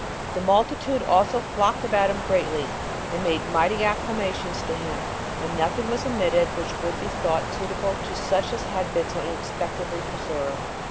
The multitude also flocked about him greatly, and made mighty acclamations to him, and nothing was omitted which could be thought suitable to such as had been so unexpectedly preserved.